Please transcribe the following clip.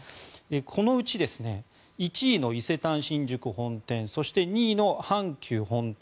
このうち、１位の伊勢丹新宿本店そして、２位の阪急本店